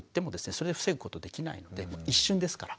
それで防ぐことできないので一瞬ですから。